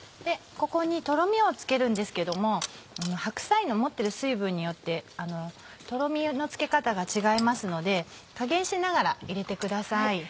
ここにとろみをつけるんですけども白菜の持ってる水分によってとろみのつけ方が違いますので加減しながら入れてください。